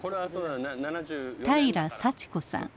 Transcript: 平良幸子さん。